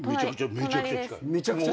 めちゃくちゃ近い。